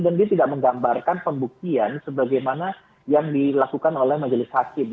dan dia tidak menggambarkan pembuktian sebagaimana yang dilakukan oleh majelis hakim